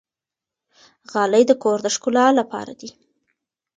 غالۍ د کور د ښکلا لپاره دي.